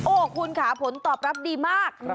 โอ้คุณขาผลตอบรับดีมาก